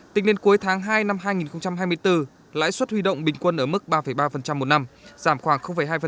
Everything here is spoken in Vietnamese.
tính đến cuối tháng hai năm hai nghìn hai mươi bốn lãi suất huy động bình quân ở mức ba ba một năm giảm khoảng hai